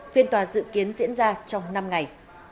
phiên tòa dự kiến diễn ra trong năm ngày